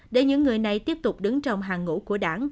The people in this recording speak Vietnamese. để những người này tiếp tục đứng trong hàng ngũ của đảng